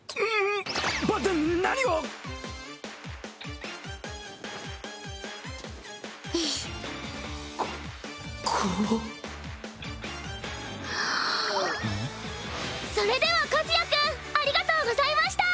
バカ何を⁉それでは和也君ありがとうございました！